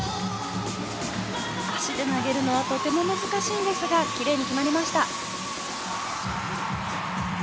足で投げるのはとても難しいんですがきれいに決まりました。